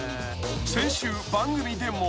［先週番組でも］